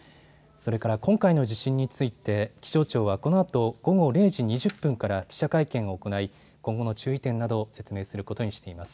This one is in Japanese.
それから今回の地震について気象庁はこのあと午後０時２０分から記者会見を行い今後の注意点などを説明することにしています。